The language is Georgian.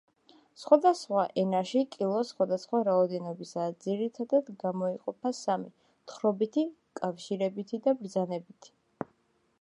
სხვადასხვა ენაში კილო სხვადასხვა რაოდენობისაა, ძირითადად გამოიყოფა სამი: თხრობითი, კავშირებითი და ბრძანებითი.